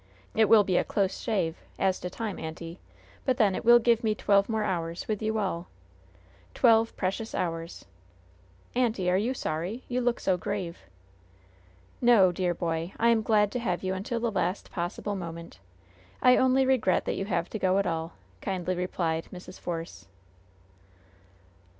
It will be a close shave, as to time, auntie; but then, it will give me twelve more hours with you all. Twelve precious hours! Aunty, are you sorry? You look so grave." "No, dear boy, I am glad to have you until the last possible moment. I only regret that you have to go at all," kindly replied Mrs. Force.